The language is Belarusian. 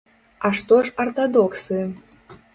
А што ж артадоксы?